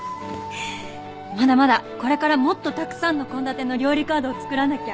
まだまだこれからもっとたくさんの献立の料理カードを作らなきゃ。